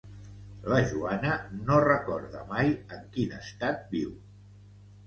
La Joana no recorda mai en quin estat viu.